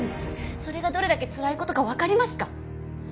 それがどれだけつらい事かわかりますか？